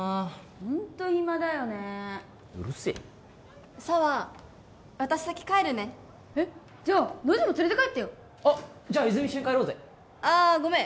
ホント暇だよねうるせえ紗羽私先帰るねえっじゃあノジも連れて帰ってよあっじゃあ泉一緒に帰ろうぜあごめん